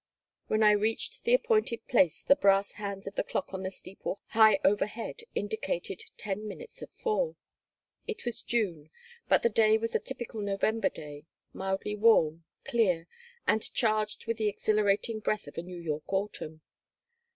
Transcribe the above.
When I reached the appointed place the brass hands of the clock on the steeple high overhead indicated ten minutes of 4. It was June, but the day was a typical November day, mildly warm, clear, and charged with the exhilarating breath of a New York autumn.